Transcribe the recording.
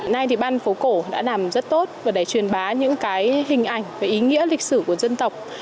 hôm nay thì ban phố cổ đã làm rất tốt và để truyền bá những cái hình ảnh và ý nghĩa lịch sử của dân tộc